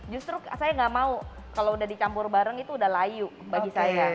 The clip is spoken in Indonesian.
justru saya nggak mau kalau udah dicampur bareng itu udah layu bagi saya